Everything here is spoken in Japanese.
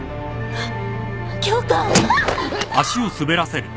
あっ。